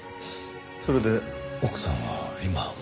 それで奥さんは今はもう？